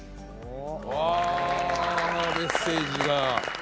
うわメッセージが。